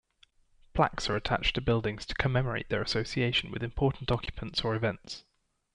Plaques are attached to buildings to commemorate their association with important occupants or events.